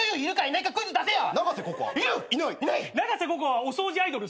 永瀬心愛はお掃除アイドル。